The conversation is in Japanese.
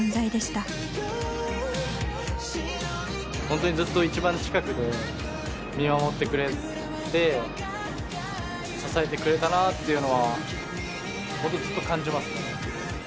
本当にずっと一番近くで見守ってくれて支えてくれたなっていうのは本当ずっと感じますね。